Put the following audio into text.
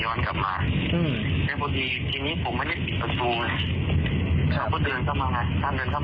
แล้วเขาบอกว่านี่เนาะ